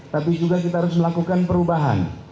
tapi juga kita harus melakukan perubahan